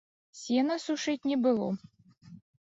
Сена сушыць не было.